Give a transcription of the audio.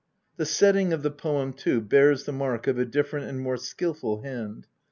The setting of the poem, too, bears the mark of a different and more skilful hand.